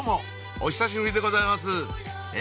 お久しぶりでございますえ？